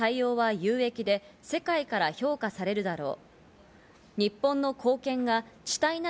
そのような対応は有益で世界から評価されるだろう。